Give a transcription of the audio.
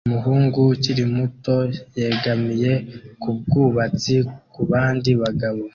Umuhungu ukiri muto yegamiye kubwubatsi kubandi bagabo